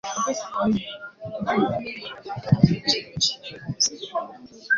A Gbatuola Mmadụ Abụọ, Dịka Ndị Ojiegbe Wakporo Ụlọọrụ Ndị Uweojii